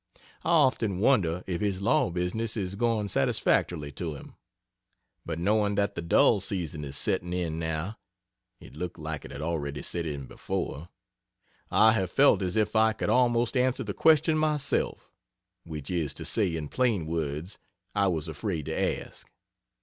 I often wonder if his law business is going satisfactorily to him, but knowing that the dull season is setting in now (it looked like it had already set in before) I have felt as if I could almost answer the question myself which is to say in plain words, I was afraid to ask.